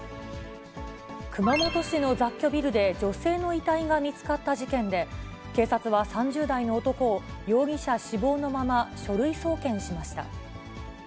熊本市の雑居ビルで女性の遺体が見つかった事件で、警察は３０代の男を容疑者死亡のまま、書類送検しました。